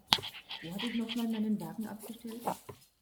Wo habe ich noch mal meinen Wagen abgestellt?